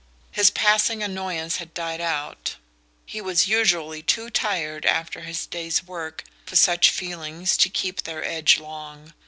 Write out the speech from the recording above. His passing annoyance had died out; he was usually too tired after his day's work for such feelings to keep their edge long.